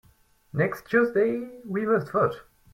Next Tuesday we must vote.